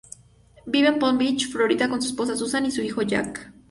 Vive en Palm Beach, Florida con su esposa Susan y su hijo Jack.